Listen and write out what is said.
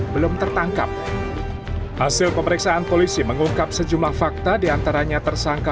belum tertangkap hasil pemeriksaan polisi mengungkap sejumlah fakta diantaranya tersangka